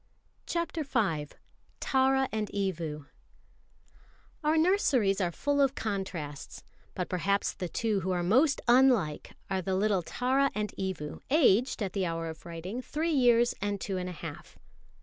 CHAPTER V Tara and Evu [Illustration: TARA.] OUR nurseries are full of contrasts, but perhaps the two who are most unlike are the little Tara and Evu, aged, at the hour of writing, three years and two and a half.